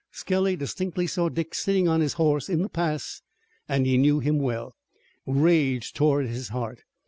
Skelly distinctly saw Dick sitting on his horse in the pass, and he knew him well. Rage tore at his heart.